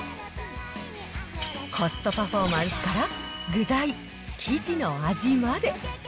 コストパフォーマンスから、具材、生地の味まで。